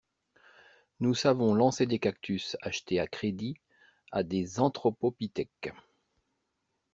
Nous savons lancer des cactus achetés à crédit à des anthropopithèques.